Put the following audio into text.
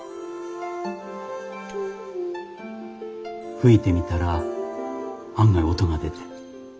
吹いてみたら案外音が出て。